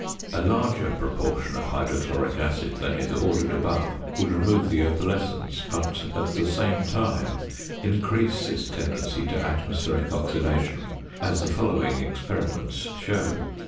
A larger proportion of hydrochloric acid than is ordered above would remove the opalescence, but at the same time increase this tendency to atmospheric oxidation, as the following experiments show.